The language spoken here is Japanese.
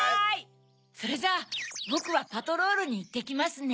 それじゃあボクはパトロールにいってきますね。